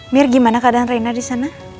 mir gimana keadaan rena disana